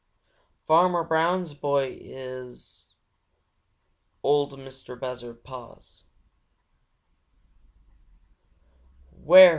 "Farmer Brown's boy is..." Ol' Mistah Buzzard paused.